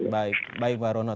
baik baik mbak rono